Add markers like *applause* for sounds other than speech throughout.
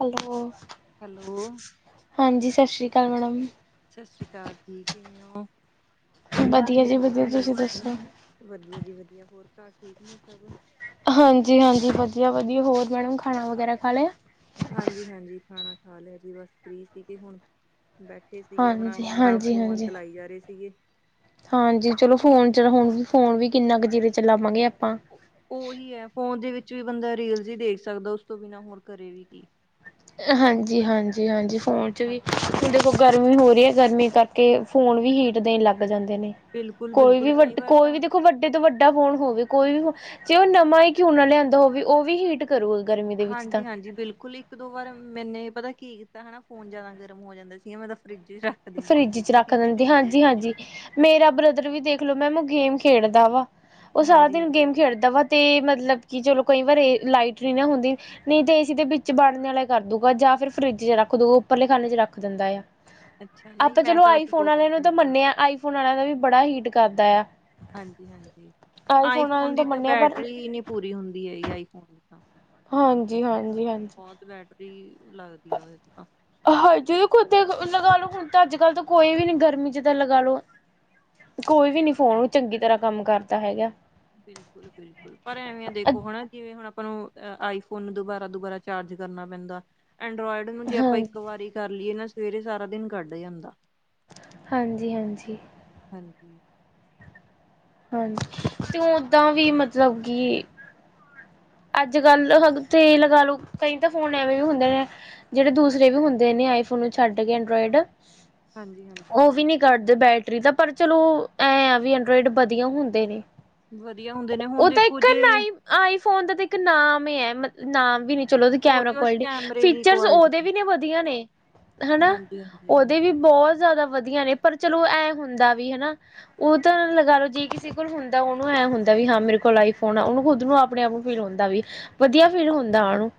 Hello. Hello. ਹਾਂਜੀ ਸ਼ਾਸਰੀ ਅਕਾਲ ਮੈਡਮ। ਸ਼ਾਸਰੀ ਕਾਲ ਜੀ ਕਿਵੇਂ ਓ? ਵਧੀਆ ਜੀ ਵਧੀਆ ਤੁਸੀਂ ਦੱਸੋ। ਵਧੀਆ ਜੀ ਵਧੀਆ ਹੋਰ ਘਰ ਠੀਕ ਨੇ ਸਭ? ਹਾਂਜੀ-ਹਾਂਜੀ ਵਧੀਆ-ਵਧੀਆ ਹੋਰ ਮੈਡਮ ਖਾਣਾ ਵਗੈਰਾ ਖਾ ਲਿਆ? ਹਾਂਜੀ-ਹਾਂਜੀ, ਖਾਣਾ ਖਾ ਲਿਆ ਜੀ ਬਸ ਫਰੀ ਸੀਗੇ ਹੁਣ, ਬੈਠੇ ਸੀਗੇ ਆਪਣਾ ਹਾਂਜੀ ਆਰਾਮ ਨਾਲ ਹਾਂਜੀ ਫੋਨ ਹਾਂਜੀ ਚਲਾਈ ਜਾ ਰਹੇ ਸੀਗੇ। ਹਾਂਜੀ ਚਲੋ ਫੋਨ ਹੁਣ ਫੋਨ ਵੀ ਕਿੰਨਾ ਕੁ ਚਿਰੇ ਚਲਾਵਾਂਗੇ ਆਪਾਂ। ਉਹੀ ਹੈ ਫੋਨ ਦੇ ਵਿੱਚ ਵੀ ਬੰਦਾ ਰੀਲਜ਼ ਹੀ ਦੇਖ ਸਕਦਾ ਉਸ ਤੋਂ ਬਿਨਾਂ ਹੋਰ ਕਰੇ ਵੀ ਕੀ। ਹਾਂਜੀ ਹਾਂਜੀ ਹਾਂਜੀ ਫੋਨ 'ਚ ਵੀ, ਹੁਣ ਦੇਖੋ ਗਰਮੀ ਹੋ ਰਹੀ ਹੈ ਗਰਮੀ ਕਰ ਕੇ ਫੋਨ ਵੀ ਹੀਟ ਦੇਣ ਲੱਗ ਜਾਂਦੇ ਨੇ। ਕੋਈ ਬਿਲਕੁਲ-ਬਿਲਕੁਲ ਵੀ ਕਈ ਵੱਡ ਵਾਰ ਕੋਈ ਵੀ ਤਾਂ ਦੇਖੋ ਵੱਡ ਤੋਂ ਵੱਡਾ ਫੋਨ ਹੋਵੇ ਕੋਈ ਵੀ ਹੋਵ ਜੇ ਉਹ ਨਵਾਂ ਹੀ ਕਿਉ ਨਾ ਲਿਆਂਦਾ ਹੋਵੇ ਉਹ ਵੀ ਹੀਟ ਇੱਕ ਆ ਰੋਜ ਗਰਮੀ ਦੇ ਵਿੱਚ ਤਾਂ ਹਾਂਜੀ-ਹਾਂਜੀ ਬਿਲਕੁਲ ਈ ਇੱਕ-ਦੋ ਵਾਰ ਮੈਨੇ ਪਤਾ ਕੀ ਕੀਤਾ ਹਨਾ ਫੋਨ ਜਿਆਦਾ ਗਰਮ ਹੋ ਜਾਂਦਾ ਸੀਗਾ ਮੈਂ ਤਾਂ ਫਰਿੱਜ ਚ ਰੱਖ ਦਿੰਦੀ ਫਰਿੱਜ ਚ ਸੀਗੀ। ਰੱਖ ਦਿੰਦੇ ਹਾਂਜੀ-ਹਾਂਜੀ। ਮੇਰਾ ਬ੍ਰਦਰ ਵੀ ਦੇਖਲੋ ਮੈਮ ਉਹ ਗੇਮ ਖੇਡਦਾ ਵਾ, ਉਹ ਸਾਰਾ ਦਿਨ ਹਾਂਜੀ-ਹਾਂਜੀ। ਗੇਮ ਖੇਡਦਾ ਦਾ ਵਾ 'ਤੇ ਮਤਲਬ ਕਿ ਚਲੋ ਕਈ ਵਾਰੀ ਲਾਈਟ ਨਹੀਂ ਨਾ ਹੁੰਦੀ ਨਹੀਂ ਤੇ ਏਸੀ ਤੇ ਵਿੱਚ ਵੜਨ ਆਲਾ ਕਰ ਦੂਗਾ ਜਾਂ ਫਿਰ ਫਰਿੱਜ ਚ ਰੱਖ ਦੂਗਾ ਉੱਪਰਲੇ ਖਾਨੇ ਚ ਰੱਖ ਦਿੰਦਾ ਆ। ਅੱਛਾ ਨਹੀਂ ਆਪਾਂ ਮੈਂ ਚਲੋ ਤਾਂ ਆਈ ਬਸ ਫੋਨ ਦੋ ਚਾਰ ਵਾਲਿਆਂ ਨੂੰ ਕੁ ਤਾਂ ਮਿੰਟ ਲਈ ਮੰਨੇ ਆ ਆਈ ਫੋਨ ਵਾਲਿਆਂ ਦਾ ਵੀ ਬੜਾ ਹੀਟ ਕਰਦਾ ਆ। ਹਾਂਜੀ-ਹਾਂਜੀ, ਆਈ ਆਈਫੋਨ ਵਾਲਿਆਂ ਫੋਨ ਨੂੰ ਦੀ ਤਾਂ ਮੰਨਿਆ ਪਰ ਬੈਟਰੀ ਹੀ ਨੀ ਪੂਰੀ ਹੁੰਦੀ ਏ ਆਈ ਫੋਨ ਦੀ ਤਾਂ। ਹਾਂਜੀ ਹਾਂਜੀ ਹਾਂਜੀ। ਬਹੁਤ ਬੈਟਰੀ ਲੱਗਦੀ ਆ ਉਹਦੇ ਤੇ ਤਾਂ। ਹਾਂਜੀ ਖੁਦ ਲਗਾ ਲ ਲੋ ਹੁਣ ਤਾਂ ਅੱਜ ਕੱਲ ਤਾਂ ਕੋਈ ਵੀ ਨੀ ਗਰਮੀ ਚ ਤਾਂ ਲਗਾ ਲੋ। ਕੋਈ ਵੀ ਨੀ ਫੋਨ ਉਹ ਚੰਗੀ ਤਰ੍ਹਾਂ ਕੰਮ ਕਰਦਾ ਹੈਗਾ। ਬਿਲਕੁਲ-ਬਿਲਕੁਲ, ਪਰ ਐਵੇਂ ਆ ਦੇਖੋ ਹੁਨ ਜਿਵੇਂ ਹੁਣ ਆਪਾਂ ਨੂੰ ਆਈ ਫੋਨ ਦੁਬਾਰਾ-ਦੁਬਾਰਾ ਚਾਰਜ ਕਰਨਾ ਪੈਂਦਾ, ਐਂਡਰੋਇਡ ਨੂੰ ਜੇ ਆਪਾਂ ਹਾਂਜੀ ਇੱਕ ਵਾਰੀ ਕਰ ਲਈਏ ਨਾ ਸਵੇਰੇ ਸਾਰਾ ਦਿਨ ਕੱਢ ਜਾਂਦਾ। ਹਾਂਜੀ-ਹਾਂਜੀ। ਹਾਂਜੀ ਹਾਂਜੀ, ਤੇ ਓਦਾਂ ਵੀ ਮਤਲਬ ਕੀ- ਅੱਜਕੱਲ ਹ ਤੇ ਲਗਾ ਲਓ ਕਈ ਤੇ ਫੋਨ ਐਵੇਂ ਵੀ ਹੁੰਦੇ ਨੇ- ਜਿਹੜੇ ਦੂਸਰੇ ਵੀ ਹੁੰਦੇ ਨੇ ਆਈਫੋਨ ਨੂੰ ਛੱਡ ਕੇ ਐਂਡਰਾਇਡ, ਹਾਂਜੀ ਹਾਂਜੀ ਉਹ ਵੀ ਨੀ- ਕੱਢਦੇ ਬੈਟਰੀ ਦਾ ਪਰ ਚਲੋ, ਐਂ ਆ ਵੀ ਐਂਡਰਾਇਡ ਵਧੀਆ ਹੁੰਦੇ ਨੇ। ਵਧੀਆ ਹੁੰਦੇ ਨੇ ਹੁਣ ਉਹ ਤਾਂ ਦੇਖੋ ਇੱਕ ਜੇ ਨਾ ਆਈਫੋਨ ਦਾ ਤੇ ਇੱਕ ਨਾਮ ਈ ਐ ਮ ਨਾਮ ਵੀ ਨੀ ਚਲੋ ਉਹਦੀ ਕੈਮਰਾ ਉਹਦੇ ਵਾਸਤੇ ਕੁਆਲਿਟੀ, ਕੈਮਰੇ ਦੀ ਫੀਚਰ ਉਹਦੇ ਕੁਆਲਿਟੀ ਹੈ। ਵੀ ਨੇ ਵਧੀਆ ਨੇ। ਹਨਾ, ਹਾਂਜੀ ਹਾਂਜੀ ਹਾਂਜੀ ਉਹਦੇ ਵੀ ਬਹੁਤ ਜਿਆਦਾ ਵਧੀਆ ਨੇ ਪਰ ਚਲੋ ਐ ਹੁੰਦਾ ਵੀ ਹਨਾ ਉਹ ਤਾਂ ਲਗਾ ਲਓ ਜੇ ਕਿਸੇ ਕੋਲ ਹੁੰਦਾ ਉਹਨੂੰ ਐਂ ਹੁੰਦਾ ਵੀ ਹਾਂ ਮੇਰੇ ਕੋਲ ਆਈ ਫੋਨ ਆ ਉਹਨੂੰ ਖੁਦ ਨੂੰ ਆਪ ਆਪਣੇ ਆਪ ਨੂੰ ਫੀਲ ਹੁੰਦਾ ਵੀ, ਵਧੀਆ ਫੀਲ ਹੁੰਦਾ ਉਹਨੂੰ।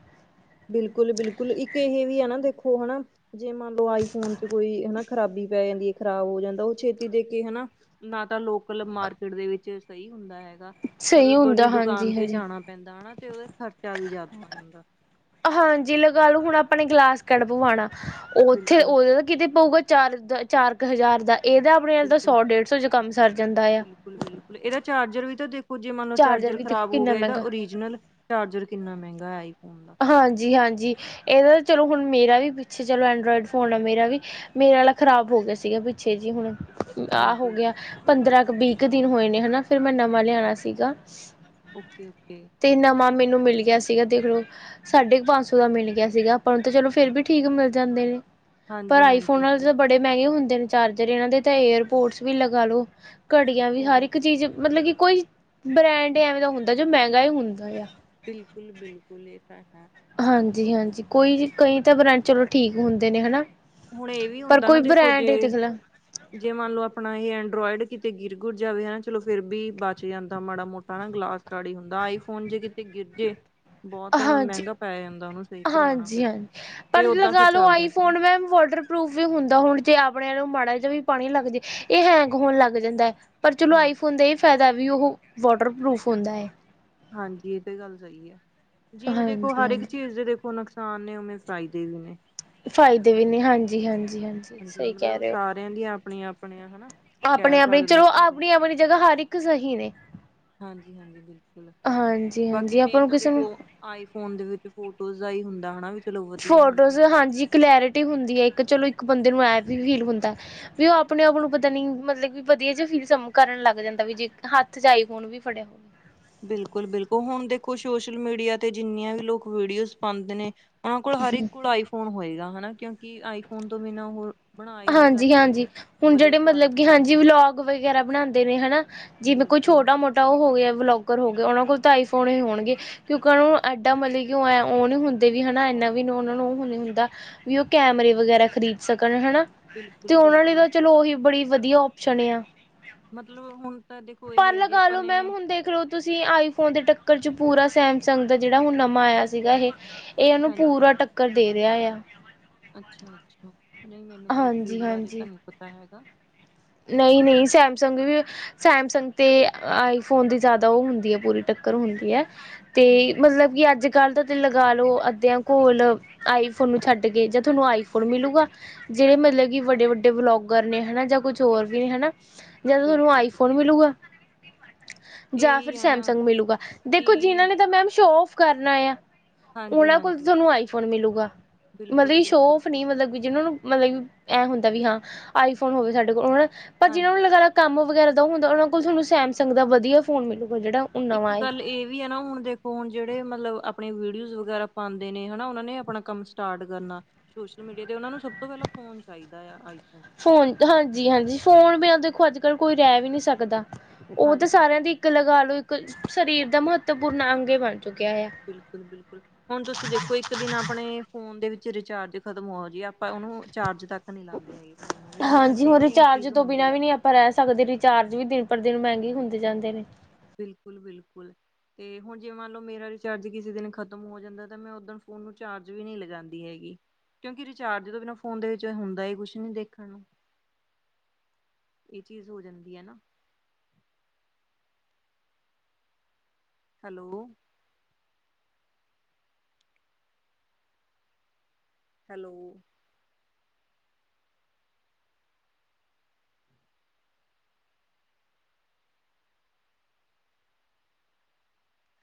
ਬਿਲਕੁਲ-ਬਿਲਕੁਲ ਇੱਕ ਇਹੇ ਵੀ ਆ ਨਾ ਦੇਖੋ ਹਨਾ ਜੇ ਮੰਨ ਲਓ ਆਈ ਫੋਨ ਚ ਕੋਈ ਹਨਾ ਖਰਾਬੀ ਪੈ ਜਾਂਦੀ ਹੈ ਖ਼ਰਾਬ ਹੋ ਜਾਂਦਾ ਉਹ ਛੇਤੀ ਦੇ ਕੇ ਹਨਾ ਨਾ ਤਾਂ ਲੋਕਲ ਮਾਰਕੀਟ ਦੇ ਵਿੱਚ ਸਹੀ ਹੁੰਦਾ ਹੈਗਾ, ਸਹੀ ਮਤਲਬ ਬੜੀ ਹੁੰਦਾ ਦੁਕਾਨ ਹਾਂਜੀ ਤੇ ਹਾਂਜੀ ਜਾਣਾ ਪੈਂਦਾ ਹਨਾ ਤੇ ਉਹਦਾ ਖਰਚਾ ਵੀ ਜ਼ਿਆਦਾ ਹੋ ਜਾਂਦਾ। ਹਾਂਜੀ ਲਗਾ ਲੋ ਹੁਣ ਆਪਾਂ ਨੇ ਗਲਾਸ ਕਾਰਡ ਪਵਾਣਾ ਉੱਥੇ ਬਿਲਕੁਲ। ਉਹਦੇ ਕਿਤੇ ਪਊਗਾ ਚਾਰ ਦਾ ਚਾਰ ਕੁ ਹਜ਼ਾਰ ਦਾ ਇਹਦਾ ਆਪਣੇ ਨਾਲ ਤਾਂ ਬਿਲਕੁਲ, ਸੌ ਡੇਢ ਸੌ ਚ ਕੰਮ ਸਰ ਜਾਂਦਾ ਆ। ਬਿਲਕੁਲ-ਬਿਲਕੁਲ ਇਹਦਾ ਚਾਰਜਰ ਵੀ ਤਾਂ ਦੇਖੋ ਜੇ ਮੰਨ ਲੋ ਚਾਰਜਰ ਵੀ ਦੇਖੋ ਖਰਾਬ ਹੋ ਕਿੰਨਾ ਗਿਆ ਇਹਦਾ ਮਹਿੰਗਾ ਓਰੀਜਨਲ ਚਾਰਜਰ ਕਿੰਨਾ ਮਹਿੰਗਾ ਹੈ ਆਈ ਫੋਨ ਦਾ। ਹਾਂਜੀ-ਹਾਂਜੀ, ਇਹਦਾ ਚਲੋ ਹੁਣ ਮੇਰਾ ਵੀ ਪਿੱਛੇ ਚਲੋ ਐਂਡਰੋਇਡ ਫੋਨ ਆ ਮੇਰਾ ਵੀ। ਮੇਰੇ ਆਲਾ ਖ਼ਰਾਬ ਹੋ ਗਿਆ। ਸੀਗਾ ਪਿੱਛੇ ਜੀ ਹੁਣ। ਆਹ ਹੋ ਹਾਂਜੀ ਗਿਆ ਪੰਦਰਾਂ ਕੁ ਵੀਹ - ਕੁ ਦਿਨ ਹੋਏ ਨੇ ਹਨਾ। ਫਿਰ ਮੈਂ ਨਵਾਂ ਲਿਆਣਾ ਸੀਗਾ। Okay- okay. ਤੇ ਨਵਾਂ ਮੈਨੂੰ ਮਿਲ ਗਿਆ ਸੀਗਾ ਦੇਖ ਲਓ। ਸਾਢੇ ਕੁ ਪੰਜ ਸੌ ਦਾ ਮਿਲ ਗਿਆ ਸੀਗਾ। ਪਰ ਹੁਣ ਤਾਂ ਚਲੋ ਫਿਰ ਵੀ ਠੀਕ ਮਿਲ ਜਾਂਦੇ ਨੇ। ਪਰ ਹਾਂਜੀ-ਹਾਂਜੀ ਆਈਫੋਨਾ ਦੇ ਤਾਂ ਬੜੇ ਮੈਗੇ ਹੁੰਦੇ ਨੇ। ਚਾਰਜਰ ਏਨਾਂ ਦੇ ਤਾਂ ਏਅਰਪੋਰਟਸ ਵੀ ਲਗਾ ਲੋ। ਘੜੀਆਂ ਵੀ ਹਰ ਉਹੀ ਇੱਕ ਚੀਜ਼ ਮਤਲਬ ਕੀ। ਕੋਈ ਬ੍ਰੈਂਡ ਐਵੇਂ ਦਾ ਹੁੰਦਾ ਜੋ ਮੈਗਾ ਈ ਹੁੰਦਾ ਆ। ਬਿਲਕੁਲ - ਬਿਲਕੁਲ ਏ ਤਾਂ ਹੈ। ਹਾਂਜੀ - ਹਾਂਜੀ ਕੋਈ ਕਈ ਤਾਂ ਬ੍ਰਾਂਡ ਚਲੋ ਠੀਕ ਹੁੰਦੇ ਨੇ ਹਨਾ। ਹੁਣ ਏ ਵੀ ਪਰ ਹੁੰਦਾ ਨਾ ਕੋਈ ਦੇਖੋ। ਜੇ ਬ੍ਰੈਂਡ ਹੀ ਦਿਖਲਾ ਜੇ ਮੰਨ ਲਓ ਆਪਣਾ ਏ ਐਂਡਰੋਇਡ ਕਿਤੇ ਗਿਰ ਗੁਰ ਜਾਵੇ ਹਨਾ ਚਲੋ। ਫੇਰ ਵੀ ਬਚ ਜਾਂਦਾ ਮਾੜਾ ਮੋਟਾ ਨਾ ਗਲਾਸ। ਕੜੀ ਹੁੰਦਾ ਆਈਫੋਨ ਜੇ ਕਿਤੇ ਗਿਰ ਜੇ ਬੋਤ ਹਾਂਜੀ, ਮੈਗਾ ਪੈ ਜਾਂਦਾ। ਓਨੂੰ ਸਈ ਕਰਵਾਣਾ ਫਿਰ ਹਾਂਜੀ-ਹਾਂਜੀ। ਤੇ ਓਦਾਂ ਫਿਰ ਚੱਲਦਾ ਵੀ ਨੀ। ਪ੍ਰੂਫ ਵੀ ਹੁੰਦਾ। ਹੁਣ ਜੇ ਆਪਣੇ ਨੂੰ ਮਾੜਾ ਜਿਆ ਵੀ ਪਾਣੀ ਲੱਗ ਜਾ। ਇਹ ਹੈਂਗ ਹੋਣ ਲੱਗ ਜਾਂਦਾ ਏ। ਪਰ ਚਲੋ ਹਾਂ ਆਈਫੋਨ ਦਾ ਏ ਫੈਦਾ ਵੀ ਓ ਵਾਟਰਪਰੂਫ ਹੁੰਦਾ ਏ। ਹਾਂਜੀ ਏ ਤੇ ਗੱਲ ਸਈ ਆ। ਜਿਵੇਂ ਦੇਖੋ ਹਰ ਇੱਕ ਹਾਂਜੀ-ਹਾਂਜੀ ਚੀਜ਼ ਦੇ ਦੇਖੋ ਨਾ। ਨੁਕਸਾਨ ਨੇ ਉਨੇ ਫਾਈਦੇ ਦੇ ਵੀ ਨੇ। ਫਾਇਦੇ ਵੀ ਨੇ ਹਾਂਜੀ -ਹਾਂਜੀ -ਹਾਂਜੀ। ਹਾਂਜੀ ਮਤਲਬ ਸਾਰਿਆਂ ਦੀਆਂ ਆਪਣੀਆਂ - ਆਪਣੀਆਂ ਹਨਾ। ਆਪਣੀ ਕਹਿ - ਆਪਣੀ ਸਕਦੇ ਹਾਂ ਚਲੋ ਆਪਾਂ ਇਹਦੇ ਆਪਣੀ -ਆਪਣੀ ਜਗ੍ਹਾ ਹਰ ਇੱਕ ਸਹੀ ਨੇ। ਹਾਂਜੀ -ਹਾਂਜੀ ਬਿਲਕੁਲ ਬਾਕੀ। ਹਾਂਜੀ-ਹਾਂਜੀ ਆਪਾਂ ਮੇਨ ਨੂੰ ਤਾਂ ਕਿਸੇ ਨੂੰ ਦੇਖੋ ਆਈਫੋਨ ਦੇ ਵਿੱਚ ਫੋਟੋਜ਼ ਦਾ ਈ ਹੁੰਦਾ ਹੋਨਾ ਵੀ। ਚਲੋ ਵਧੀਆ ਫੋਟੋਜ਼ ਆਉਂਦੀਆਂ ਨੇ ਹਾਂਜੀ ਕਲੈਰਿਟੀ ਹੁੰਦੀ ਏ। ਇੱਕ ਚਲੋ ਇੱਕ ਬੰਦੇ ਨੂੰ ਐ ਵੀ ਫੀਲ ਹੁੰਦਾ। ਵੀ ਓ ਆਪਣੇ ਆਪ ਨੂੰ ਪਤਾ ਨੀ ਮਤਲਬ ਕਿ ਵਧੀਆ ਜਾ ਫੀਲ ਕਰਨ ਲੱਗ ਜਾਂਦਾ ਵੀ ਜੇ ਹੱਥ 'ਚ ਆਈ ਫੋਨ। ਵੀ ਫੜਿਆ। ਬਿਲਕੁਲ -ਬਿਲਕੁਲ ਹੁਣ ਦੇਖੋ ਸੋਸ਼ਲ ਮੀਡੀਆ ਤੇ ਜਿੰਨੀਆਂ ਵੀ ਲੋਕ ਵੀਡੀਓਜ਼ ਪਾਂਦੇ ਨੇ। ਓਨਾਂ ਕੋਲ ਹਰ ਇੱਕ ਕੋਲ ਆਈ ਫੋਨ ਹੋਏਗਾ ਹਨਾ। ਕਿਉਂਕਿ ਆਈਫੋਨ ਤੋਂ ਬਿਨਾਂ ਓ ਹਾਂਜੀ- ਹਾਂਜੀ। ਹੁਣ ਜੇੜੇ ਮਤਲਬ ਕੁਆਲਿਟੀ ਕੀ ਨੀ ਹਾਂਜੀ ਹੁੰਦੀ ਵਲੋਗ ਵਗੈਰਾ ਬਣਾਂਦੇ ਨੇ ਹਨਾ। ਜਿਵੇਂ ਕੋਈ ਛੋਟਾ ਮੋਟਾ ਓ ਹੋ ਗਿਆ ਵਲੋਗਰ ਹੋ ਗਿਆ। ਓਨਾਂ ਕੋਲ ਤਾਂ ਆਈਫੋਨ ਹੋਣਗੇ। ਕਿਉਂਕਿ। ਓਨਾਂ ਨੂੰ ਐਡਾ ਮਲਬ ਕਿਉਂ ਓ ਨੀ ਹੁੰਦੇ ਵੀ ਹਨਾ। ਏਨਾ ਵੀ ਓਨਾਂ ਨੂੰ ਓ ਨ ਹੁੰਦਾ। ਵੀ ਓ ਕੈਮਰੇ ਵਗੈਰਾ ਖ਼ਰੀਦ ਸਕਣ ਹਨਾ। ਤੇ ਓਨਾਂ ਲਈ ਬਿਲਕੁਲ-ਬਿਲਕੁਲ-ਬਿਲਕੁਲ ਤਾਂ ਚਲੋ। ਓ ਬੜੀ ਵਧੀਆ ਓਪਸ਼ਨ ਆ। ਮਤਲਬ ਹੁਣ ਤਾਂ ਦੇਖੋ ਪਰ ਇਹ ਹੈ ਜੀ ਲਗਾ ਆਪਾਂ ਲੋੋ ਨੇ ਮੈਮ ਹੁਣ ਦੇਖ ਲਓ ਤੁਸੀਂ ਆਈਫੋਨ ਦੇ ਟੱਕਰ 'ਚ ਪੂਰਾ ਸੈਮਸੰਗ ਦਾ ਜਿਹੜਾ ਹੁਣ ਨਵਾਂ ਆਇਆ ਸੀਗਾ। ਇਹ ਇਹ ਉਹਨੂੰ ਪੂਰਾ ਟੱਕਰ ਦੇ ਰਿਹਾ ਏ। ਅੱਛਾ- ਅੱਛਾ ਨਹੀਂ ਮੈਨੂੰ ਤਾਂ ਉਸ ਹਾਂਜੀ ਚੀਜ਼ ਬਾਰੇ ਤਾਂ ਹਾਂਜੀ ਨਹੀਂ ਪਤਾ ਹੈਗਾ। ਨਹੀਂ- ਨਹੀਂ ਸੈਮਸੰਗ ਵੀ। ਸੈਮਸੰਗ - ਆਈਫੋਨ ਦੀ ਜ਼ਿਆਦਾ ਉਹ ਹੁੰਦੀ ਹੈ। ਪੂਰੀ। ਟੱਕਰ ਹੁੰਦੀ। ਤੇ ਠੀਕ ਮਤਲਬ ਕਿ ਅੱਜ। ਕੱਲ੍ਹ ਦਾ ਤੁ ਲਗਾ ਲੋ ਅੱਧਿਆਂ ਕੋਲ ਆਈਫੋਨ ਨੂੰ ਛੱਡ ਕੇ। ਜਾਂ ਤਾਨੂੰ ਆਈਫੋਨ ਮਿਲੂਗਾ। ਜੇੜੇ ਮਤਲਬ। ਵੱਡੇ ਹਾਂਜੀ ਵੱਡੇ ਵਲੋਗਰ ਨੇ ਹਨਾ। ਜਾਂ ਕੁਛ ਹੋਰ ਵੀ ਨੇ ਹਨਾ ਜਾਂ ਤਾਨੂੰ ਆਈਫੋਨ ਬਿਲਕੁਲ-ਬਿਲਕੁਲ ਮਿਲੂਗਾ ਜਾਂ ਫਿਰ ਇਹੀ ਹੈ ਨਾ ਸੈਮਸੰਗ ਮਿਲੂਗਾ। ਕਿ ਦੇਖੋ ਜਿਨਾਂ ਨੇ ਤਾਂ ਮੈਮ ਸ਼ੋ ਓਫ ਕਰਨਾ ਆ ਓਨਾਂ ਕੋਲ ਹਾਂਜੀ-ਹਾਂਜੀ ਤਾਨੂੰ ਆਈਫੋਨ ਮਿਲੂਗਾ। ਮਤਲਬ ਕਿ ਸ਼ੋ ਬਿਲਕੁਲ-ਬਿਲਕੁਲ ਓਫ ਨੀ ਮਤਲਬ ਜਿਨਾਂ ਨੂੰ ਮਲਬ ਕਿ ਐਂ ਹੁੰਦਾ ਵੀ ਹਾਂ। ਆਈਫੋਨ ਹੋਵੇ ਸਾਡੇ ਕੋਲ ਹੁਣ ਪਰ ਜਿਨਾਂ ਨੂੰ ਹਾਂਜੀ ਲੱਗ ਕੰਮ ਵਗੈਰਾ ਦਾ ਹੁੰਦਾ ਓਨਾਂ ਕੋਲ ਤਾਨੂੰ ਸੈਮਸੰਗ ਦਾ ਵਧੀਆ ਫੋਨ ਮਿਲੁਗਾ। ਜੇੜਾ ਇੱਕ ਗੱਲ ਏ ਵੀ ਨਾ। ਹੁਣ ਦੇਖੋ ਹੁਣ ਜੇੜੇ ਮਲਬ ਆਪਣੇ ਵੀਡੀਓਸ ਵਗੈਰਾ ਪਾਂਦੇ ਨੇ ਹਨਾ। ਓਨਾਂ ਨੇ ਆਪਣਾ ਕੰਮ ਸਟਾਰਟ ਕਰਨਾ। ਸੋਸ਼ਲ ਮੀਡੀਆ ਤੇ ਓਨਾਂ ਨੂੰ ਸਭ ਤੋਂ ਪੈਲਾਂ ਫੋਨ ਚਾਈਦਾ ਆ ਆਈਫੋਨ। ਫੋਨ ਹਾਂਜੀ -ਹਾਂਜੀ ਫੋਨ ਬਿਨਾ ਦੇਖੋ ਅੱਜ - ਕੱਲ ਕੋਈ ਰੈ ਵੀ ਨੀ ਸਕਦਾ। ਓ ਤਾਂ ਹਾਂਜੀ ਸਾਰਿਆਂ ਦੀ ਹਾਂਜੀ ਇੱਕ ਲਗਾ ਲੋ ਇੱਕ ਸਰੀਰ ਦਾ ਮਹੱਤਵਪੂਰਨ ਅੰਗ ਈ ਬਣ ਚੁੱਕਿਆ ਆ। ਬਿਲਕੁਲ -ਬਿਲਕੁਲ ਹੁਣ ਤੁਸੀਂ ਦੇਖੋ ਇੱਕ ਦਿਨ ਆਪਣੇ ਫੋਨ ਦੇ ਵਿੱਚ ਰਿਚਾਰਜ ਖ਼ਤਮ ਹੋ ਜੇ ਆਪਾਂ ਓਨੂੰ ਚਾਰਜ ਤੱਕ- ਨਹੀਂ ਲਾਉਂਦੇ ਹੈਗੇ ਫੋਨ ਨੂੰ ਮੇਰੇ ਨਾਲ ਹਾਂਜੀ ਹੁਣ ਸੇਮ ਇਹੀ ਰਿਚਾਰਜ ਚੀਜ਼ ਹੁੰਦੀ ਆ। ਉਹ ਵੀ ਦਿਨ ਪਰ ਦਿਨ ਮਹਿੰਗੇ ਹੁੰਦੇ ਜਾਂਦੇ ਨੇ ਬਿਲਕੁਲ ਬਿਲਕੁਲ। ਤੇ ਹੁਣ ਜੇ ਮੰਨ ਲਓ ਮੇਰਾ ਰਿਚਾਰਜ ਕਿਸੇ ਦਿਨ ਖ਼ਤਮ ਹੋ ਜਾਂਦਾ ਤਾਂ ਮੈਂ ਓਦਣ ਫੋਨ ਨੂੰ ਚਾਰਜ ਵੀ ਨਹੀਂ ਲਗਾਉਂਦੀ ਹੈਗੀ। ਕਿਉਂਕਿ ਰਿਚਾਰਜ ਤੋਂ ਬਿਨਾਂ ਫੋਨ ਦੇ ਹੁੰਦਾ ਕੁਛ ਨੀ ਦੇਖਣ ਕੀ। ਇਹ ਚੀਜ਼ ਹੋ ਜਾਂਦੀ ਹੈ ਨਾ। ਹੈਲੋ। ਹੈਲੋ।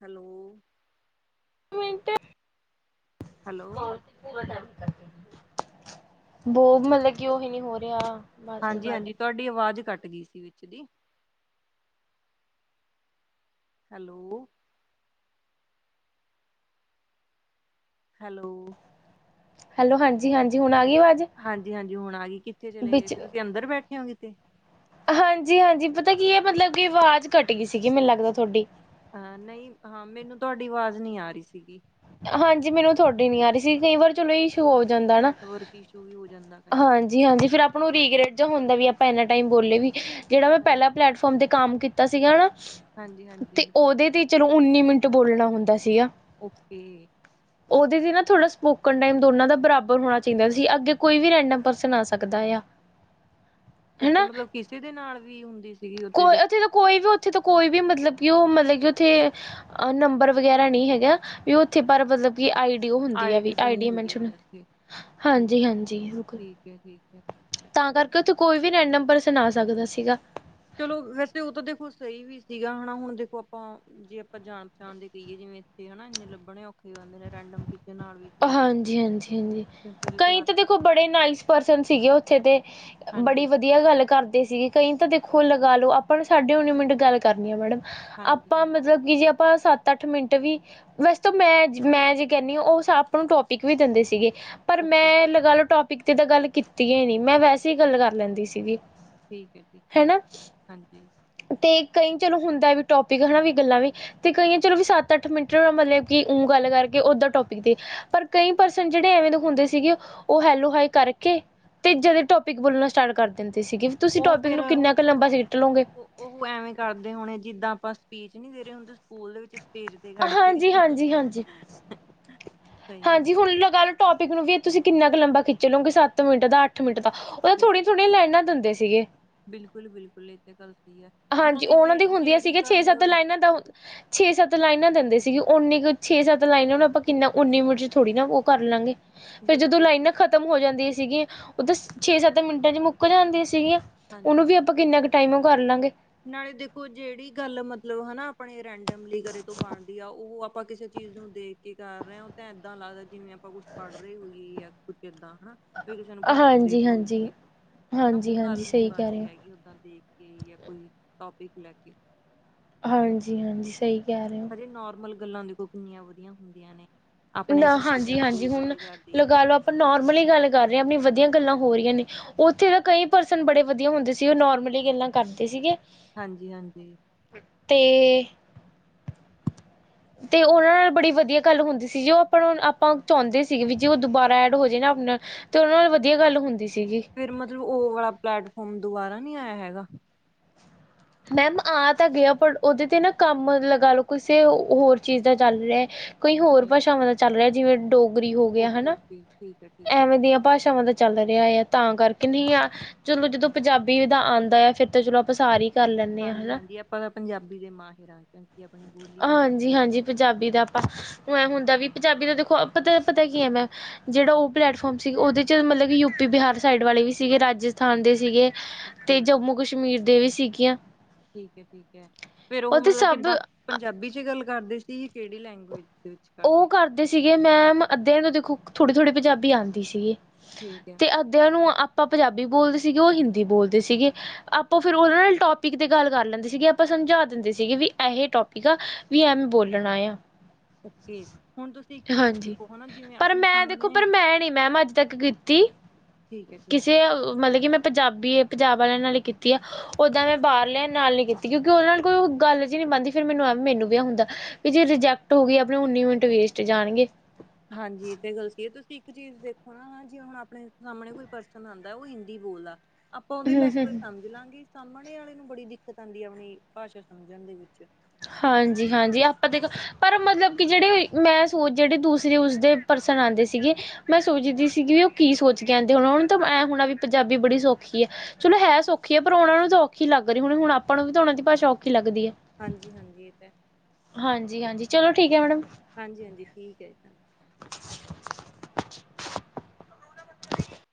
ਹੈਲੋ। ਮਿੰਟ ਹਾਂ। ਹੈਲੋ ਬਹੁਤ ਮਤਲਬ ਕਿ ਹੀ ਨੀ ਹੋ ਰਿਹਾ ਬਸ ਹਾਂਜੀ ਹਾਂਜੀ ਤੁਹਾਡੀ ਆਵਾਜ਼ ਘੱਟ ਗਈ ਸੀ ਵਿੱਚ ਜੀ ਹੈਲੋ। ਹੈਲੋ। ਹੈਲੋ ਹਾਂਜੀ ਹਾਂਜੀ ਹੁਣ ਆ ਗਈ ਆਵਾਜ। ਹਾਂਜੀ ਹਾਂਜੀ ਹੁਣ ਆ ਗਈ ਕਿੱਥੇ ਚਲੇ ਗਏ ਸੀ ਤੁਸੀਂ ਅੰਦਰ ਬੈਠੇ ਹੋ ਕਿਤੇ। ਹਾਂਜੀ ਹਾਂਜੀ ਪਤਾ ਕੀ ਹੈ ਮਤਲਬ ਕਿ ਆਵਾਜ਼ ਘੱਟ ਗਈ ਸੀਗੀ ਮੈਨੂੰ ਲੱਗਦਾ ਤੁਹਾਡੀ। ਅਹ ਨਹੀਂ ਹਾਂ ਮੈਨੂੰ ਤੁਹਾਡੀ ਆਵਾਜ਼ ਨਹੀਂ ਆ ਰਹੀ ਸੀਗੀ। ਹਾਂਜੀ ਮੈਨੂੰ ਤੁਹਾਡੀ ਨੀ ਆ ਰਹੀ ਸੀ ਕਈ ਵਾਰ ਚਲੋ ਇਸ਼ੂ ਹੋ ਜਾਂਦਾ ਹਨਾ ਨੈਟਵਰਕ ਇਸ਼ੂ ਵੀ ਹੋ ਜਾਂਦਾ ਕਈ ਵਾਰ ਹਾਂਜੀ ਹਾਂਜੀ ਫਿਰ ਆਪ ਆਪ ਨੂੰ ਰੀਗ੍ਰੈਟ ਜਾਂ ਹੁੰਦਾ ਵੀ ਆਪਾਂ ਇਹਨਾ ਟਾਈਮ ਬੋਲੇ ਵੀ ਜਿਹੜਾ ਮੈਂ ਹਾਂਜੀ ਪਹਿਲਾ ਪਲੇੈਟਫਾਰਮ ਤੇ ਕੰਮ ਕੀਤਾ ਸੀਗਾ ਹਾਂਜੀ ਤੇ ਹਾਂਜੀ ਉਹਦੇ ਤੇ ਚਲੋ ਉੱਨੀ ਮਿੰਟ ਬੋਲਣਾ ਹੁੰਦਾ ਸੀਗਾ। ਓਕੇ। ਉਹਦੇ ਤੇ ਨਾ ਥੋੜ੍ਹਾ ਸਪੋਕਨ ਟਾਈਮ ਦੋਨਾਂ ਦਾ ਬਰਾਬਰ ਹੋਣਾ ਚਾਹੀਦਾ ਸੀ ਅੱਗੇ ਕੋਈ ਵੀ ਰੈਂਡਮ ਪਰਸਨ ਆ ਸਕਦਾ ਆ। ੳਕੇ ਹਨਾ ਮਤਲਬ ਕਿਸੇ ਦੇ ਨਾਲ ਵੀ ਹੁੰਦੀ ਸੀ। ਕੋਈ ਉੱਥੇ ਤਾਂ ਕੋਈ ਵੀ ਉੱਥੇ ਤਾਂ ਕੋਈ ਵੀ ਮਤਲਬ ਕਿ ਉਹ ਮਤਲਬ ਕਿ ਉੱਥੇ ਨੰਬਰ ਵਗੈਰਾ ਨਹੀਂ ਹੈਗਾ ਵੀ ਉੱਥੇ ਪਰ ਮਤਲਬ ਕਿ ਆਈ ਹੁੰਦੀ ਆ ਆਈ ਵੀ ਡੀ ਬਣੀ ਆਈਡੀ ਹੁੰਦੀ ਮੇਂਸ਼ਨ ਹੋਣੀ ਉੱਥੇ ਠੀਕ ਹਾਂਜੀ ਹਾਂਜੀ ਬਿਲਕੁਲ। ਠੀਕ ਹੈ ਠੀਕ ਹੈ ਤਾਂ ਫਿਰ ਕਰਕੇ ਉੱਥੇ ਕੋਈ ਵੀ ਨੈਂ ਨੰਬਰ ਸੁਣਾ ਸਕਦਾ ਸੀਗਾ। ਚਲੋ ਵੈਸੇ ਉਹ ਤਾਂ ਦੇਖੋ ਸਹੀ ਵੀ ਸੀਗਾ। ਹਨਾ ਹੁਣ ਦੇਖੋ ਆਪਾਂ ਜੇ ਆਪਾਂ ਜਾਣ ਪਛਾਣਦੇ ਕਹੀਏ ਜਿਵੇਂ ਇੱਥੇ ਹਨਾ ਇੰਨੇ ਲੱਭਣੇ ਔਖੇ ਜਾਂਦੇ ਨੇ ਰੈਂਡਮ ਕਿਸੇ ਨਾਲ ਵੀ। ਤੁਰੀ ਜਾਓ ਹਾਂਜੀ-ਹਾਂਜੀ। ਹਾਂਜੀ ਕਿਉਂਕਿ ਉਹਦੇ ਤੇ ਕਈ ਆ ਤਾਂ ਦੇਖੋ ਬੜੇ ਨਾਈਸ ਪਰਸਨ ਸੀਗੇ ਉੱਥੇ ਦੇ। ਹਾਂਜੀ। ਵਧੀਆ ਗੱਲ ਕਰਦੇ ਸੀਗੇ। ਕਈ ਤਾਂ ਦੇਖੋ ਲਗਾ ਲਓ ਆਪਾਂ ਨੂੰ ਸਾਡੇ ਉਨੀ ਮਿੰਟ ਗੱਲ ਕਰਨੀ ਆ ਮੈਡਮ। ਹਾਂਜੀ ਆਪਾਂ ਹਾਂਜੀ ਮਤਲਬ ਕਿ ਜੇ ਆਪਾਂ ਸੱਤ ਅੱਠ ਮਿੰਟ ਵੀ। ਵੈਸ ਮੈਂ-ਮੈਂ ਜੇ ਕਹਿੰਦੀ ਹਾਂ। ਉਹ ਆਪ ਨੂੰ ਟੋਪਿਕ ਵੀ ਦਿੰਦੇ ਸੀਗੇ ਪਰ ਓਕੇ ਮੈਂ ਲੱਗਾ ਲੋ ਟੋਪਿਕ ਇੱਕ ਤਾਂ ਗੱਲ ਕੀਤੀ ਨੀ ਮੈਂ ਵੈਸੇ ਹੀ ਗੱਲ ਕਰ ਲੈਂਦੀ ਸੀਗੀ। ਠੀਕ ਹੈ ਠੀਕ ਹੈ ਹਾਂਜੀ ਤੇ ਕਈ ਚਲੋ ਹੁੰਦਾ ਵੀ ਟੋਪਿਕ ਹਨਾ ਵੀ ਗੱਲਾਂ ਵੀ ਤੇ ਕਈਆਂ ਚਲੋ ਵੀ ਸੱਤ ਅੱਠ ਮਿੰਟ ਮਤਲਬ ਕਿ ਗੱਲ ਕਰਕੇ ਓਦਾਂ ਟੋਪਿਕ ਤੇ। ਪਰ ਕਈ ਪਰਸਨ ਜਿਹੜੇ ਐਵੇਂ ਦੇ ਹੁੰਦੇ ਸੀਗੇ ਉਹ ਹੈਲੋ ਹਾਈ ਕਰਕੇ ਤੇ ਜਦ ਟੋਪਿਕ ਬੋਲਣਾ ਸਟਾਰਟ ਕਰ ਦਿੰਦੇ ਸੀਗੇ ਤੁਸੀਂ ਉਹ ਟੋਪਿਕ ਫੇਰ ਨੂੰ ਕਿੰਨਾ ਕੁ ਲੰਬਾ ਸੀਟ ਲੋਂਗੇ ਉਹ ਉਹ ਐਵੇਂ ਕਰਦੇ ਹੋਣੇ ਜਿੱਦਾਂ ਆਪਾਂ ਸਪੀਚ ਨਹੀਂ ਦੇ ਰਹੇ ਹੁੰਦੇ ਸਕੂਲ ਦੇ ਵਿੱਚ ਸਟੇਜ ਤੇ ਖੜ ਕੇ। ਹਾਂਜੀ ਹਾਂਜੀ ਹਾਂਜੀ ਸਹੀ ਹੈ ਹਾਂਜੀ ਹੁਣ ਲੱਗਾ ਲਓ ਟੋਪਿਕ ਨੂੰ ਵੀ ਇਹ ਤੁਸੀਂ ਕਿੰਨਾ ਕੁ ਲੰਬਾ ਖਿੱਚ ਲਓਗੇ ਸੱਤ ਮਿੰਟ ਦਾ ਅੱਠ ਮਿੰਟ ਦਾ। ਉਹਦਾ ਬਿਲ ਥੋੜੀਆਂ ਥੋੜੀਆਂ ਲਾਈਨਾਂ ਦਿੰਦੇ ਸੀਗੇ। ਬਿਲਕੁਲ- ਬਿਲਕੁਲ ਇੱਥੇ ਗਲਤੀ ਹੈ। ਹਾਂਜੀ, ਨਾਲੇ ਉਹਨਾਂ ਦੀ ਜਿਹੜੀ ਹੁੰਦੀਆਂ ਜਿਹੜੀ ਸੀਗੀਆ ਛੇ ਗੱਲ ਸੱਤ ਲਾਈਨਾਂ ਦਾ ਛੇ ਸੱਤ ਲਾਈਨਾਂ ਦਿੰਦੇ ਸੀਗੇ ਉਨੀ ਕੁ ਛੇ ਸੱਤ ਲਾਈਨਾਂ ਆਪਾਂ ਕਿੰਨਾ ਉੱਨੀ ਮਿੰਟ 'ਚ ਥੋੜ੍ਹੀ ਨਾ ਉਹ ਕਰ ਲਾਂਗੇ। ਫੇਰ ਜਦੋਂ ਬਿਲਕੁਲ ਲਾਈਨਾਂ ਖ਼ਤਮ ਹੋ ਜਾਂਦੀਆਂ ਸੀਗੀਆਂ, ਉਹ ਤਾਂ ਛੇ- ਸੱਤ ਮਿੰਟਾਂ 'ਚ ਮੁੱਕ ਜਾਂਦੀਆਂ ਸੀਗੀਆਂ। ਹਾਂਜੀ ਉਹਨੂੰ ਵੀ ਆਪਾਂ ਕਿੰਨਾ ਕੁ ਟਾਈਮ ਕਰ ਲਾਂਗੇ। ਨਾਲੇ ਦੇਖੋ ਜਿਹੜੀ ਗੱਲ ਮਤਲਬ ਹਨਾ ਆਪਣੇ ਰੈਂਡਮਲੀ ਘਰੇ ਤੋਂ ਬਣਦੀ ਆ। ਉਹ ਆਪਾਂ ਕਿਸੇ ਚੀਜ਼ ਨੂੰ ਦੇਖ ਕੀ ਕਰ ਰਹੇ, ਉਹ ਤਾਂ ਏਦਾਂ ਲੱਗਦਾ ਜਿਵੇਂ ਆਪਾਂ ਕੁੱਛ ਪੜ੍ਹ ਰਹੇ ਹੋਈਏ। ਜਾਂ ਕੁੱਛ ਕਿੱਦਾਂ ਹਨਾ ਵੀ ਕਿਸੇ ਨੂੰ ਭਾਸ਼ਣ ਦੇ ਰਹੇ ਹਾਂਜੀ-ਹਾਂਜੀ। ਹੋਗੀ, ਹਾਂਜੀ-ਹਾਂਜੀ ਗੱਲ ਨਹੀਂ ਸਹੀ ਕਹਿ ਰਹੇ ਬਣਦੀ ਹੈਗੀ। ਓਦਾਂ ਦੀ। ਜੇ ਜਾਂ ਕੋਈ ਟੋਪਿਕ ਲੈ ਕੇ। ਹਾਂਜੀ-ਹਾਂਜੀ, ਸਹੀ ਕਹਿ ਰਹੇ ਹੋ। ਹਜੇ ਨੋਰਮਲ ਗੱਲਾਂ ਦੇਖੋ ਕਿੰਨੀਆਂ ਵਧੀਆ ਹੁੰਦੀਆਂ ਨੇ। ਆਪਣੇ ਨਾ, ਘਰ ਦੀ ਹਾਂਜੀ-ਹਾਂਜੀ ਦੱਸਦੀ ਹੁਣ ਤੁਹਾਡੇ ਘਰ ਦੀ ਹਨਾ ਲਗਾ ਲਓ ਆਪਾਂ ਨੋਰਮਲੀ ਗੱਲ ਕਰ ਰਹੇ ਹਾਂ। ਆਪਣੀ ਵਧੀਆ ਗੱਲਾਂ ਹੋ ਰਹੀਆਂ ਨੇ। ਉੱਥੇ ਤਾਂ ਕਈ ਪਰਸਨ ਬੜੇ ਵਧੀਆ ਹੁੰਦੇ ਸੀ। ਉਹ ਨੋਰਮਲੀ ਗੱਲਾਂ ਕਰਦੇ ਸੀਗੇ। ਹਾਂਜੀ-ਹਾਂਜੀ। ਤੇ ਤੇ ਉਹਨਾਂ ਨਾਲ ਬੜੀ ਵਧੀਆ ਗੱਲ ਹੁੰਦੀ ਸੀ। ਜੋ ਉਹ ਆਪਾਂ ਨੂੰ ਆਪਾਂ ਚਾਹੁੰਦੇ ਸੀਗੇ ਵੀ ਜੇ ਉਹ ਦੁਬਾਰਾ ਐਡ ਹੋ ਜਾਏ ਨਾ ਆਪਣਾ ਤੇ ਉਹਨਾਂ ਨਾਲ ਵਧੀਆ ਗੱਲ ਹੁੰਦੀ ਸੀਗੀ। ਫਿਰ ਮਤਲਬ, ਉਹ ਵਾਲਾ ਪਲੈਟਫਾਰਮ ਦੁਬਾਰਾ ਨਹੀਂ ਆਇਆ ਹੈਗਾ? ਮੈਮ ਆ ਤਾਂ ਗਿਆ, ਪਰ ਉਹਦੇ ਤੇ ਨਾ ਕੰਮ ਲਗਾ ਲਓ ਕਿਸੇ ਹੋਰ ਚੀਜ਼ ਦਾ ਚੱਲ ਰਿਹਾ। ਕੋਈ ਹੋਰ ਓਕੇ ਭਾਸ਼ਾਵਾਂ ਦਾ ਚੱਲ ਰਿਹਾ। ਜਿਵੇਂ ਡੋਗਰੀ ਹੋ ਗਿਆ। ਓਕੇ ਹਨਾ, ਓਕੇ ਠੀਕ ਹੈ ਠੀਕ ਹੈ ਠੀਕ ਐਵੇਂ ਦੀਆਂ ਭਾਸ਼ਾਵਾਂ ਦਾ। ਚੱਲ ਰਿਹਾ ਆ ਤਾਂ ਕਰਕੇ ਨਹੀਂ, ਚਲੋ ਜਦੋਂ ਪੰਜਾਬੀ ਦਾ ਆਉਂਦਾ ਆ ਫਿਰ ਤਾਂ ਚਲੋ ਆਪਾਂ ਸਾਰੇ ਹੀ। ਹਾਂਜੀ-ਹਾਂਜੀ ਆਪਾਂ ਤਾਂ ਪੰਜਾਬੀ ਦੇ ਮਾਹਿਰ ਹਾਂ। ਕਿਉਂਕਿ ਆਪਣੀ ਬੋਲੀ ਪੰਜਾਬੀ ਹੈ ਨਾ। ਹਾਂਜੀ-ਹਾਂਜੀ ਪੰਜਾਬੀ ਦਾ ਆਪਾਂ, ਹੁੰਦਾ ਵੀ ਪੰਜਾਬੀ ਦਾ, ਦੇਖੋ ਪਤਾ ਪਤਾ ਕੀ ਹੈ। ਮੈਂ ਜਿਹੜਾ ਉਹ ਪਲੈਟਫਾਰਮ ਸੀ ਉਹਦੇ 'ਚ ਮਤਲਬ ਕਿ ਯੂ ਪੀ, ਬਿਹਾਰ ਸਾਈਡ ਵਾਲੇ ਵੀ ਸੀਗੇ। ਰਾਜਸਥਾਨ ਦੇ ਸੀਗੇ। ਤੇ ਓਕੇ ਜੰਮੂ ਕਸ਼ਮੀਰ ਦੇ ਵੀ ਸੀਗੀਆਂ। ਠੀਕ ਹੈ। ਠੀਕ ਹੈ। ਫੇਰ ਉਹ ਤੇ ਮਤਲਬ ਸਭ ਕਿੱਦਾਂ? ਪੰਜਾਬੀ 'ਚ ਗੱਲ ਕਰਦੇ ਸੀ। ਕਿਹੜੀ ਲੈਂਗੁਏਜ ਵਿੱਚ ਉਹ ਕਰਦੇ। ਕਰਦੇ ਸੀਗੇ ਮੈਮ, ਅੱਧੇ ਦੇਖੋ ਥੋੜੀ- ਥੋੜੀ ਪੰਜਾਬੀ ਆਉਂਦੀ ਸੀਗੀ। ਠੀਕ ਹੈ। ਤੇ ਅੱਧਿਆਂ ਨੂੰ ਆਪਾਂ ਪੰਜਾਬੀ ਬੋਲਦੇ ਸੀਗੇ, ਉਹ ਹਿੰਦੀ ਬੋਲਦੇ ਸੀਗੇ। ਆਪਾਂ ਫਿਰ ਉਹਨਾਂ ਨਾਲ ਟੋਪਿਕ ਤੇ ਗੱਲ ਕਰ ਲੈਂਦੇ ਸੀਗੇ, ਆਪਾਂ ਸਮਝਾ ਦਿੰਦੇ ਸੀਗੇ। ਵੀ ਇਹ ਟੋਪਿਕ ਠੀਕ ਆ, ਵੀ ਐਵੇ ਬੋਲਣਾ ਆ। ਓਕੇ ਹੁਣ ਤੁਸੀਂ ਇੱਕ ਚੀਜ਼ ਹਾਂਜੀ, ਦੇਖੋ ਹਨਾ ਜਿਵੇਂ ਪਰ ਆਪਣੇ ਮੈਂ ਦੇਖੋ ਸਾਹਮਣੇ ਪਰ ਮੈਂ ਨਹੀਂ ਮੈਮ ਅੱਜ ਤੱਕ ਕੀਤੀ ਠੀਕ ਹੈ ਠੀਕ ਕਿਸੇ, ਮਤਲਬ ਕਿ ਮੈਂ ਪੰਜਾਬੀ, ਪੰਜਾਬ ਵਾਲਿਆਂ ਨਾਲ ਕੀਤੀ ਆ ਉਦਾਂ ਮੈਂ ਬਾਹਰ ਲਿਆ ਨਾਲ ਨਹੀਂ ਕੀਤੀ, ਕਿਉਂਕਿ ਉਹਨਾਂ ਨੂੰ ਕੋਈ ਗੱਲ 'ਚ ਨਹੀਂ ਮੰਨਦੀ ਫਿਰ ਮੈਨੂੰ ਵੀ ਹੁੰਦਾ ਜੇ ਰਿਜੈਕਟ ਹੋ ਗਈ, ਆਪਣੀ ਉਨੀ ਮਿੰਟ ਵੇਸਟ ਜਾਣਗੇ ਹਾਂਜੀ, ਤੇ ਇਹ ਗਲ ਸਹੀ, ਤੁਸੀਂ ਇੱਕ ਚੀਜ਼ ਦੇਖੋ, ਜੇ ਹੁਣ ਆਪਣੇ ਸਾਹਮਣੇ ਕੋਈ ਪਰਸਨ ਆਉਂਦਾ, ਉਹ ਹਿੰਦੀ ਬੋਲਦਾ ਆਪਾਂ ਉਹਦੀ ਹੂੰ ਹੂੰ ਲੈਗੁਏਜ ਹੂੰ। ਸਮਝ ਲਵਾਂਗੇ, ਸਾਹਮਣੇ ਵਾਲੇ ਨੂੰ ਬੜੀ ਦਿੱਕਤ ਆਉਂਦੀ ਹੈ ਆਪਣੀ ਭਾਸ਼ਾ ਸਮਝਣ ਦੇ ਵਿੱਚ ਹਾਂਜੀ -ਹਾਂਜੀ, ਆਪਾਂ ਦੇਖੋ ਪਰ ਮਤਲਬ ਕਿ ਜਿਹੜੇ, ਮੈਂ ਸੋਚ ਜਿਹੜੇ ਦੂਸਰੇ ਉਸਦੇ ਪਰਸਨ ਆਉਂਦੇ ਸੀਗੇ। ਮੈਂ ਸੋਚਦੀ ਸੀਗੀ ਵੀ ਉਹ ਕੀ ਸੋਚ ਕੇ ਆਂਉਦੇ ਹੋਣੇ-ਹੁਣ ਤਾਂ ਐਂ ਹੋਣਾ, ਵੀ ਪੰਜਾਬੀ ਬੜੀ ਸੌਖੀ ਹੈ। ਚਲੋ ਹੈ ਸੌਖੀ ਹੈ। ਪਰ ਉਹਨਾ ਨੂੰ ਤਾਂ ਔਖੀ ਲੱਗ ਰਹੀ ਹੋਣੀ, ਹੁਣ ਆਪਾਂ ਨੂੰ ਵੀ ਤਾਂ ਉਹਨਾਂ ਦੀ ਭਾਸ਼ਾ ਔਖੀ ਲੱਗਦੀ ਹੈ। ਹਾਂਜੀ-ਹਾਂਜੀ ਇਹ ਤਾਂ। ਹਾਂਜੀ-ਹਾਂਜੀ, ਚਲੋ ਠੀਕ ਹੈ। ਮੈਡਮ ਹਾਂਜੀ-ਹਾਂਜੀ ਠੀਕ ਹੈ। *inaudible*